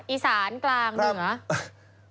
อีสานกลางด้วยเหรอ